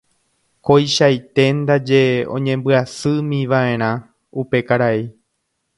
Koichaite ndaje oñembyasýmiva'erã upe karai